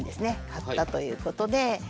買ったということで。